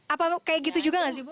apa kayak gitu juga gak sih bu